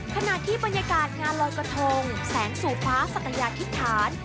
ขณะที่บรรยากาศงานลอยกระทงแสงสู่ฟ้าศักยาธิษฐาน